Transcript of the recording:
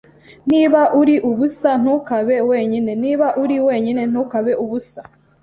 Niba uri ubusa, ntukabe wenyine, niba uri wenyine, ntukabe ubusa.